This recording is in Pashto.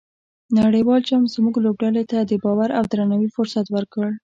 نړیوال جام زموږ لوبډلې ته د باور او درناوي فرصت ورکړ.